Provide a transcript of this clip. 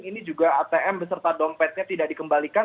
ini juga atm beserta dompetnya tidak dikembalikan